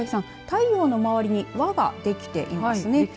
太陽のまわりに輪ができていますね。